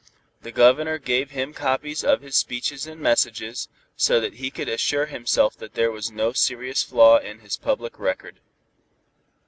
The Governor gave him copies of his speeches and messages, so that he could assure himself that there was no serious flaw in his public record.